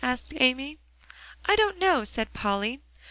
asked Amy. "I don't know," said Polly.